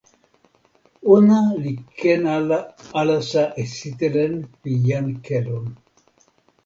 ona li ken ala alasa e sitelen pi jan Kelon.